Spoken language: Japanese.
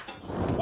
あ！